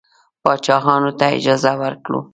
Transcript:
پاچاهانو ته اجازه ورکوله.